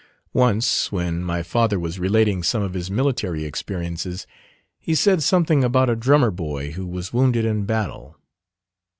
Once, when my father was relating some of his military experiences, he said something about a drummer boy who was wounded in battle.